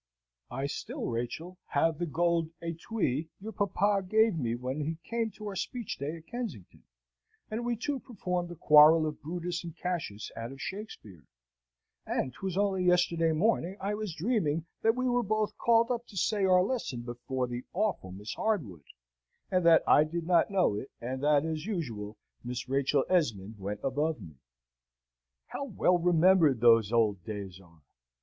I still, Rachel, have the gold etui your papa gave me when he came to our speech day at Kensington, and we two performed the quarrel of Brutus and Cassius out of Shakspeare; and 'twas only yesterday morning I was dreaming that we were both called up to say our lesson before the awful Miss Hardwood, and that I did not know it, and that as usual Miss Rachel Esmond went above me. How well remembered those old days are!